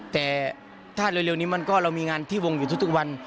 แต่ถ้าเร็วนี้มันก็เรามีงานที่วงอยู่ทุกวัน